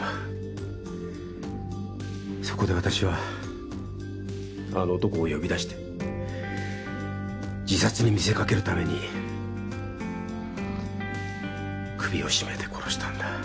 そこで私はあの男を呼び出して自殺に見せかけるために首を絞めて殺したんだ。